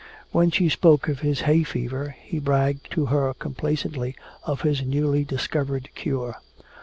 When she spoke of his hay fever he bragged to her complacently of his newly discovered cure.